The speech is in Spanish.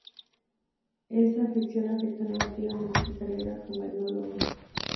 Esa afección afectó negativamente a su carrera como etnólogo.